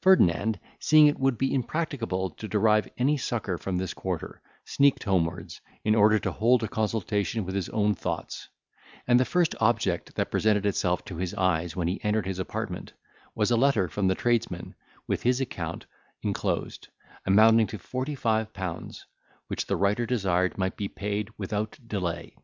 Ferdinand, seeing it would be impracticable to derive any succour from this quarter, sneaked homewards, in order to hold a consultation with his own thoughts; and the first object that presented itself to his eyes when he entered his apartment, was a letter from the tradesman, with his account inclosed, amounting to forty five pounds, which the writer desired might be paid without delay.